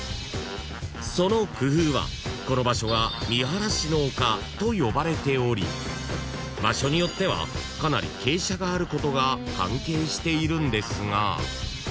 ［その工夫はこの場所がみはらしの丘と呼ばれており場所によってはかなり傾斜があることが関係しているんですが］